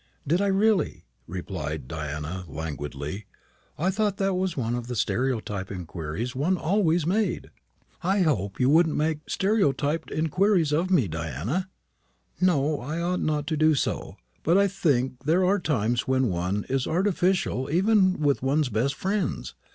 "Didn't I, really?" replied Diana, languidly; "I thought that was one of the stereotyped inquiries one always made." "I hope you wouldn't make stereotyped inquiries of me, Diana." "No, I ought not to do so. But I think there are times when one is artificial even with one's best friends.